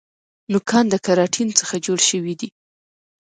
نوکان د کیراټین څخه جوړ شوي دي